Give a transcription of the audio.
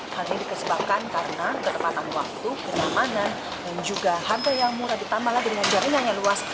hal ini dikesebabkan karena ketepatan waktu kenyamanan dan juga harga yang murah ditambah lagi dengan jaminan yang luas